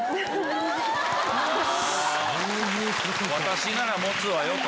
「私なら持つわよ」と。